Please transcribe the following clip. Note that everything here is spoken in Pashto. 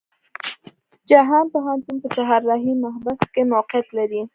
جهان پوهنتون په چهارراهی محبس کې موقيعت لري.